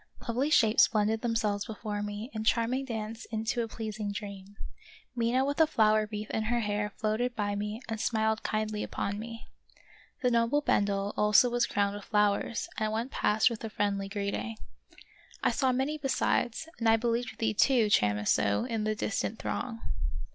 Lovely shapes blended themselves before me in charming dance into a pleasing dream. Mina with a flower wreath in her hair floated by me and smiled kindly upon me. The noble Bendel also was crowned with flowers and went past with a friendly greeting. I saw many besides. of Peter SchlemihL 95 and I believe thee too, Chamisso, in the distant throng.